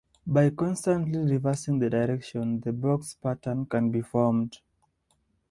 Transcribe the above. By constantly reversing the direction, the box pattern can be formed.